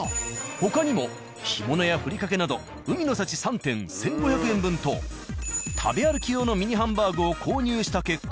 他にも干物やふりかけなど海の幸３点１，５００円分と食べ歩き用のミニハンバーグを購入した結果。